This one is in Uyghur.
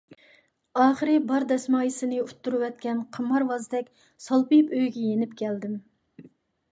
ئاخىرى بار دەسمايىسىنى ئۇتتۇرۇۋەتكەن قىمارۋازدەك سالپىيىپ ئۆيگە يېنىپ كەلدىم.